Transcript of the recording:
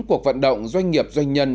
cuộc vận động doanh nghiệp doanh nhân